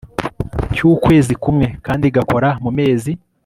cyukwezi kumwe kandi igakora mu mezi